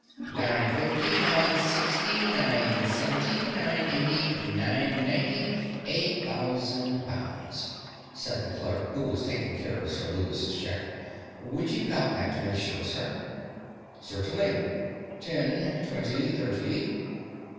"... nine fifty, nine sixty, nine seventy, nine eighty, nine ninety, a thousand pounds," said the clerk who was taking care of Sir Lewis's check. "Would you count that to make sure, sir?" "Certainly. Ten, twenty, thirty